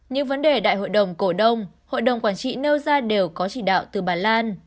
những vấn đề đại hội đồng cổ đông hội đồng quản trị nêu ra đều có chỉ đạo từ bà lan